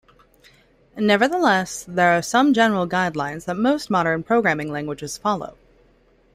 Nevertheless, there are some general guidelines that most modern programming languages follow.